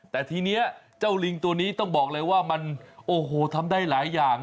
แต่ทีนี้เจ้าลิงตัวนี้ต้องบอกเลยว่ามันโอ้โหทำได้หลายอย่าง